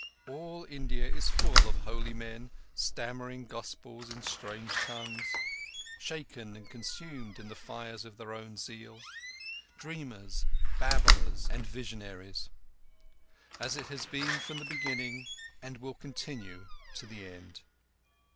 All India is full of holy men stammering gospels in strange tongues; shaken and consumed in the fires of their own zeal; dreamers, babblers, and visionaries: as it has been from the beginning and will continue to the end.